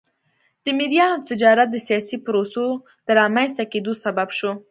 د مریانو تجارت د سیاسي پروسو د رامنځته کېدو سبب شو.